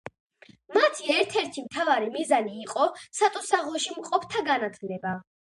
მათი ერთ-ერთი მთავარი მიზანი იყო სატუსაღოში მყოფთა განათლება.